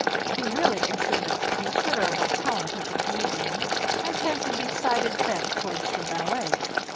He really exhibits considerable talent as a comedian, and has a decided bent towards the ballet.